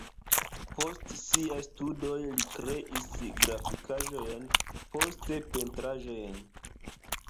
Post siaj studoj li kreis grafikaĵojn, poste pentraĵojn.